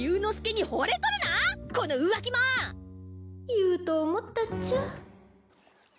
言うと思ったっちゃ